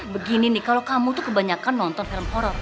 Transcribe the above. begini nih kalau kamu tuh kebanyakan nonton film horror